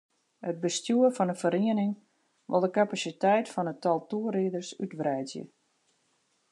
It bestjoer fan de feriening wol de kapasiteit fan it tal toerriders útwreidzje.